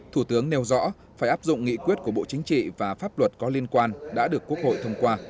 thủ tướng nêu rõ phải áp dụng nghị quyết của bộ chính trị và pháp luật có liên quan đã được quốc hội thông qua